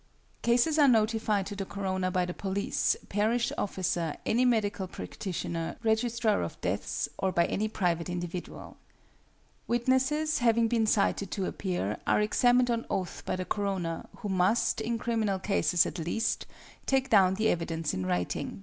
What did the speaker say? Cases are notified to the coroner by the police, parish officer, any medical practitioner, registrar of deaths, or by any private individual. Witnesses, having been cited to appear, are examined on oath by the coroner, who must, in criminal cases at least, take down the evidence in writing.